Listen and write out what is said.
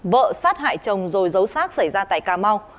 vợ sát hại chồng rồi giấu sát xảy ra tại cà mau